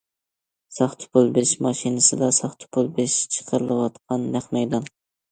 ساختا پۇل بېسىش ماشىنىسىدا ساختا پۇل بېسىپ چىقىرىلىۋاتقان نەق مەيدان.